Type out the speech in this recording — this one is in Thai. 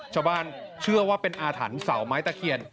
ชาวบ้านเชื่อว่าเป็นอาถรรพ์เสาไม้ตะเคียน